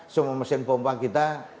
semua mesin pompa kita